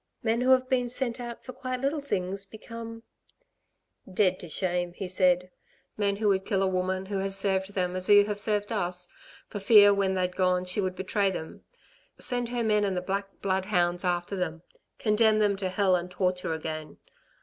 "Men who have been sent out for quite little things, become " "Dead to shame," he said, "men who would kill a woman who has served them as you have served us, for fear when they'd gone she would betray them send her men and the black bloodhounds after them, condemn them to hell and torture again.